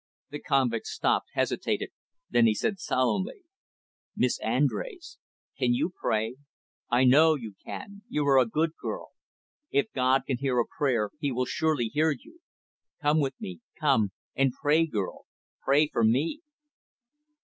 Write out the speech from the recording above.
The convict stopped, hesitated, then he said solemnly "Miss Andrés, can you pray? I know you can. You are a good girl. If God can hear a prayer he will surely hear you. Come with me. Come and pray girl pray for me."